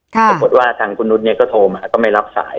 ปรากฏว่าทางคุณนุษย์ก็โทรมาก็ไม่รับสาย